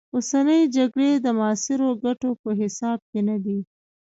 اوسنۍ جګړې د معاصرو ګټو په حساب کې نه دي.